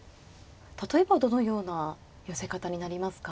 例えばどのような寄せ方になりますか？